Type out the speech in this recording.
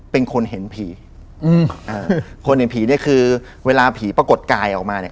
เป็นคนเห็นผีอืมอ่าคนเห็นผีเนี้ยคือเวลาผีปรากฏกายออกมาเนี่ย